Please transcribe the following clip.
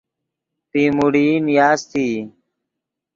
پیموڑئی نیاستئی